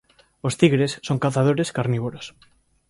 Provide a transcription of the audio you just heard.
Os tigres son cazadores carnívoros.